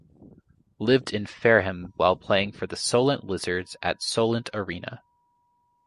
Lived in Fareham while playing for the Solent Lizards at Solent Arena.